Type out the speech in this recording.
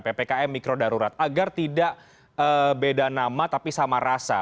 ppkm mikro darurat agar tidak beda nama tapi sama rasa